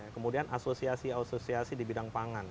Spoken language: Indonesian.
kemudian asosiasi asosiasi di bidang pangan